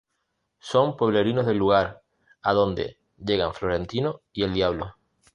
Son pueblerinos del lugar, adonde llegan Florentino y El Diablo.